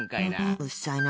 うっさいな。